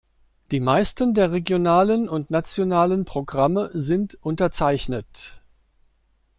Die meisten der regionalen und nationalen Programme sind unterzeichnet.